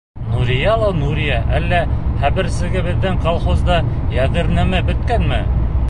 — Нурия ла Нурия, әллә хәбәрсегә беҙҙең колхозда яҙыр нәмә бөткәнме?